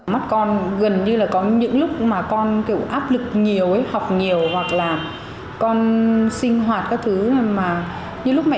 mắt con gần như có những lúc con áp lực nhiều học nhiều hoặc là sinh hoạt các thứ mà như lúc mẹ